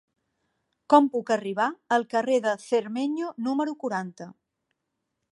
Com puc arribar al carrer de Cermeño número quaranta?